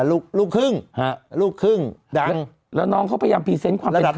ลูกลูกครึ่งฮะลูกครึ่งดังแล้วน้องเขาพยายามความระดับ